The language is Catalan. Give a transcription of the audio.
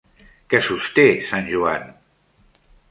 Què sosté Sant Joan?